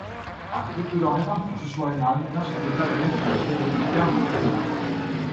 Arkitektura honetan prozesuaren ahalmena zerbitzariaren eta bezeroen artean banatzen da.